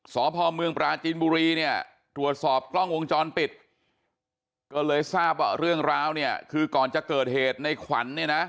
สพเมืองปราจีนบุรีเนี่ยตรวจสอบกล้องวงจรปิดก็เลยทราบว่าเรื่องราวเนี่ยคือก่อนจะเกิดเหตุในขวัญเนี่ยนะ